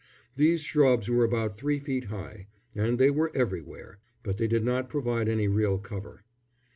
These shrubs were about three feet high, and they were everywhere; but they did not provide any real cover.